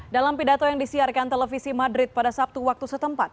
dalam pidato yang disiarkan televisi madrid pada sabtu waktu setempat